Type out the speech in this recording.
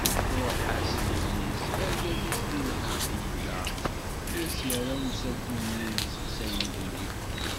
Truḥ-as yelli-s, argaz-is di lḥebs i yella, i as-yerra umsaltu-nni yesteqsayen Guli.